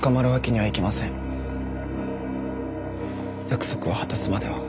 約束を果たすまでは。